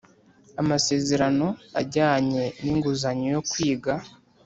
amasezerano ajyanye n’inguzanyo yo kwiga.